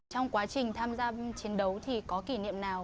trong quá trình tham gia chiến đấu thì có kỷ niệm nào